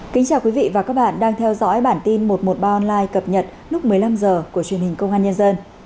kính chào quý vị và các bạn đang theo dõi bản tin một trăm một mươi ba online cập nhật lúc một mươi năm h của truyền hình công an nhân dân